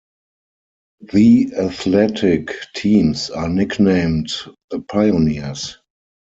The athletic teams are nicknamed the Pioneers.